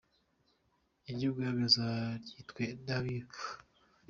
iry’ubwami azaryitwe n’abiru.